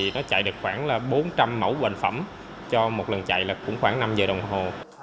nó chạy được khoảng bốn trăm linh mẫu bệnh phẩm cho một lần chạy khoảng năm giờ đồng hồ